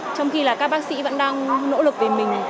trong khi là các bác sĩ vẫn đang nỗ lực về mình